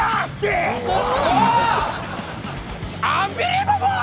アンビリーバボー！